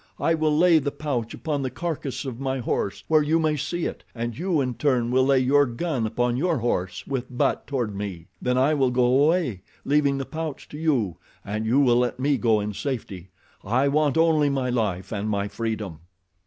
I will lay the pouch upon the carcass of my horse, where you may see it, and you, in turn, will lay your gun upon your horse, with butt toward me. Then I will go away, leaving the pouch to you, and you will let me go in safety. I want only my life, and my freedom."